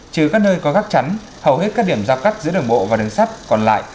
chứ các nơi có gắt chắn hầu hết các điểm giao cắt giữa đường bộ và đường sắt còn lại